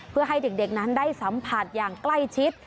เพื่อให้เด็กนั้นได้สัมผัสอย่างใกล้ชิด